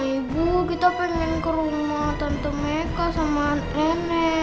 ibu kita pengen ke rumah tante mika sama nene